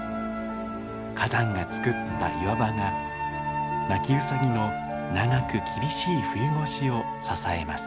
火山がつくった岩場がナキウサギの長く厳しい冬越しを支えます。